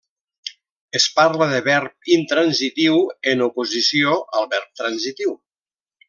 Es parla de verb intransitiu en oposició a verb transitiu.